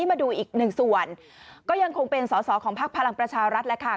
มาดูอีกหนึ่งส่วนก็ยังคงเป็นสอสอของพักพลังประชารัฐแล้วค่ะ